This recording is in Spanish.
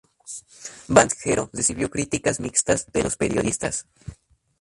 Band Hero recibió críticas mixtas de los periodistas.